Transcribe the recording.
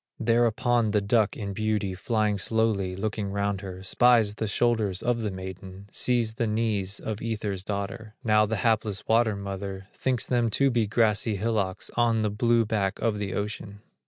Thereupon the duck in beauty, Flying slowly, looking round her, Spies the shoulders of the maiden, Sees the knees of Ether's daughter, Now the hapless water mother, Thinks them to be grassy hillocks, On the blue back of the ocean.